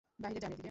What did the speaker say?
বাহিরে যান এদিকে!